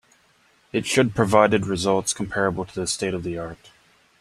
It should provided results comparable to the state of the art.